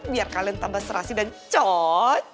biar kalian tambah serasi dan cocok